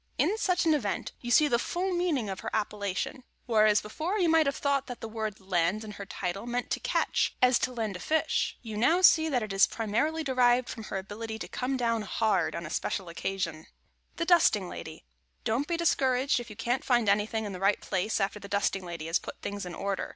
In such an event you see the full meaning of her appellation. Whereas, before you may have thought that the word "land" in her title meant to catch, as to land a fish, you now see that it is primarily derived from her ability to come down hard on a special occasion. [Sidenote: THE DUSTING LADY] Don't be discouraged if you can't find anything in the right place after the dusting lady has put things in order.